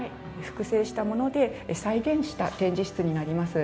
複製したもので再現した展示室になります。